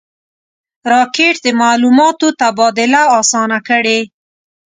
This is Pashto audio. راکټ د معلوماتو تبادله آسانه کړې